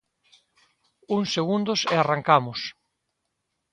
Uns segundos e arrancamos.